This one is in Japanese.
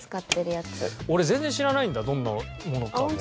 俺全然知らないんだどんなものかも。